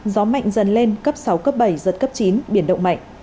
gió mạnh dần lên cấp sáu cấp bảy giật cấp chín biển động mạnh